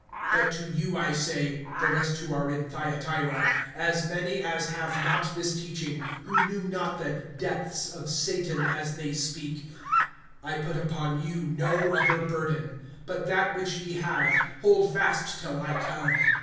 (24)But to you I say, the rest who are in Thyatira, as many as have not this teaching, who knew not the depths of Satan, as they speak: I put upon you no other burden; (25)but that which ye have, hold fast till I come.